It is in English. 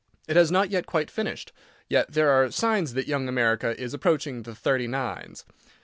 It has not yet quite finished. Yet there are signs that young America is approaching the thirty nines.